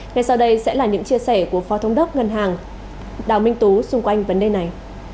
ngay sau đây sẽ là những chia sẻ của phó thống đốc ngân hàng đào minh tú xung quanh vấn đề này